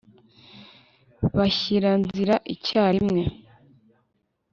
bashyira nzira icyarimwe